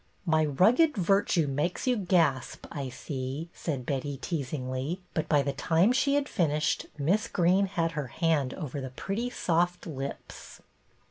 " My rugged virtue makes you gasp, I see," said Betty, teasingly; but by the time she had finished, Miss Greene had her hand over the pretty soft lips.